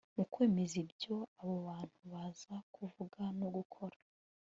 mu kwemeza ibyo abo bantu baza kuvuga no gukora